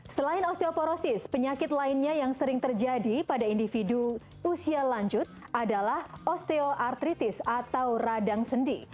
selain osteoporosis penyakit lainnya yang sering terjadi pada individu usia lanjut adalah osteoartritis atau radang sendi